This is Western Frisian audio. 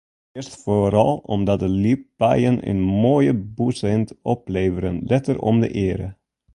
Earst foaral omdat ljipaaien in moaie bûssint opleveren, letter om de eare.